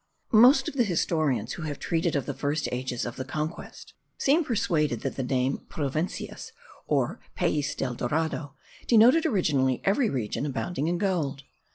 Most of the historians who have treated of the first ages of the conquest seem persuaded that the name provincias or pais del Dorado denoted originally every region abounding in gold.